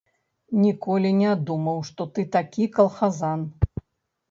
Ніколі не думаў, што ты такі калхазан!